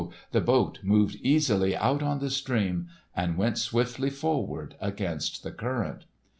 the boat moved easily out on the stream and went swiftly forward against the current.